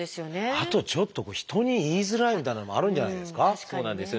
あとちょっと人に言いづらいみたいなのもあるんじゃないですか。